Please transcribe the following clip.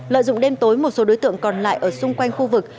lợi dụng đêm tối một số đối tượng còn lại ở xung quanh khu vực